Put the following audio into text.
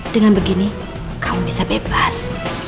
dengan begini kamu bisa bebas